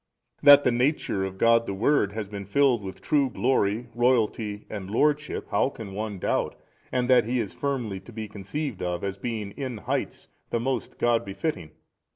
A. That the Nature of God the Word has been filled with true glory, Royalty and Lordship, how can one doubt? and that He is firmly to be conceived of as being in heights the most God befitting?